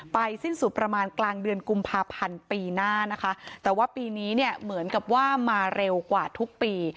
สิ้นสุดประมาณกลางเดือนกุมภาพันธ์ปีหน้านะคะแต่ว่าปีนี้เนี่ยเหมือนกับว่ามาเร็วกว่าทุกปี